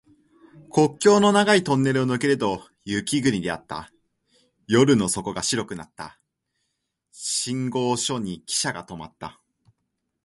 国境の長いトンネルを抜けると雪国であった。夜の底が白くなった。信号所にきしゃが止まった。